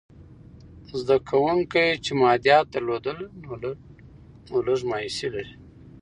زده کوونکي چې مادیات درلودل، نو لږ مایوسې لري.